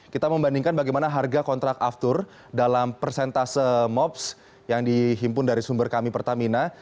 kita membandingkan bagaimana harga kontrak aftur dalam persentase mops yang dihimpun dari sumber kami pertamina